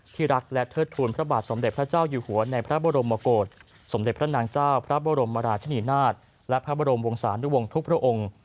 รักและเทิดทูลพระบาทสมเด็จพระเจ้าอยู่หัวในพระบรมกฏสมเด็จพระนางเจ้าพระบรมราชนีนาฏและพระบรมวงศานุวงศ์ทุกพระองค์